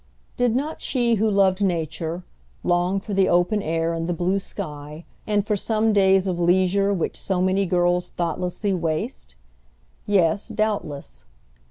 Did not she who loved nature, long for the open air and the blue sky, and for some days of leisure which so many girls thoughtlessly waste? Yes, doubtless.